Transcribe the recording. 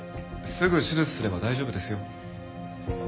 すぐ手術すれば大丈夫ですよ。